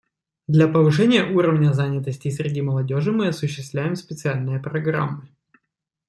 Для повышения уровня занятости среди молодежи мы осуществляем специальные программы.